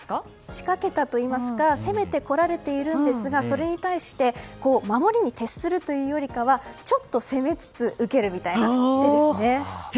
仕掛けたといいますか攻めてこられているんですがそれに対して守りに徹するというよりかはちょっと攻めつつ受けるみたいな手ですね。